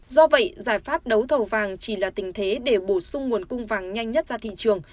do vậy giải pháp đấu thầu vàng chỉ là tình thế để bổ sung nguồn cung vàng nhanh nhất ra thị trường